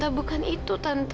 tidak tante bukan itu tante